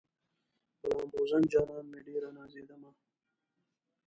په لامبوزن جانان مې ډېره نازېدمه